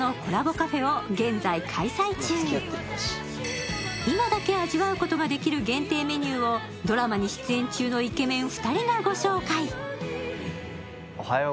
カフェを現在、開催中、今だけ味わうことができる限定メニューをドラマに出演中のイケメン２人がご紹介。